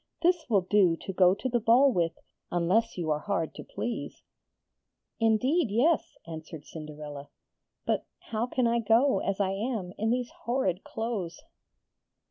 This will do to go to the ball with, unless you are hard to please.' 'Indeed, yes,' answered Cinderella. 'But how can I go, as I am, in these horrid clothes?'